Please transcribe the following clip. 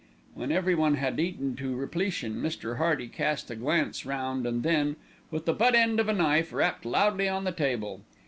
When everyone had eaten to repletion, Mr. Hearty cast a glance round and then, with the butt end of a knife, rapped loudly on the table.